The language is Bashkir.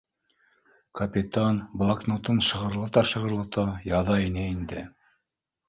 Капитан блокнотын шығырлата-шығырлата яҙа ине инде